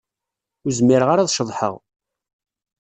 Ur zmireɣ ara ad ceḍḥeɣ.